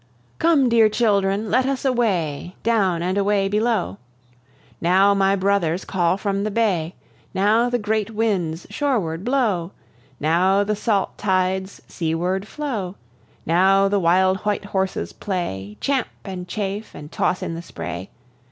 Come, dear children, let us away; Down and away below! Now my brothers call from the bay, Now the great winds shoreward blow, Now the salt tides seaward flow; Now the wild white horses play, Champ and chafe and toss in the spray.